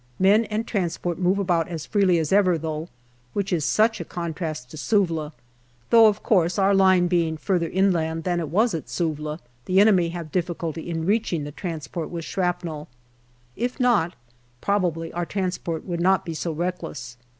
Men and transport move about as freely as ever, though, which is such a con trast to Suvla; though, of course, our line being further inland than it was at Suvla, the enemy have difficulty in reaching the transport with shrapnel. If not, probably our transport would not be so reckless.